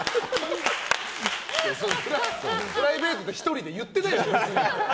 そんなプライベートで１人で言ってないよ！